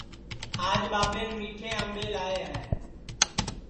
آج ٻاٻین میٹھے امٻے لاے ہے